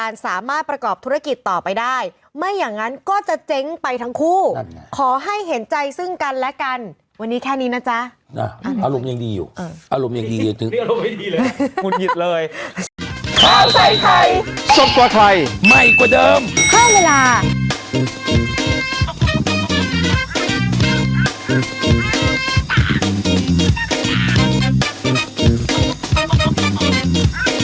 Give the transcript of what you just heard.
น่ะอารมณ์ยังดีอยู่อารมณ์ยังดีอยู่นี่อารมณ์ไม่ดีเลยงุ่นหยิดเลย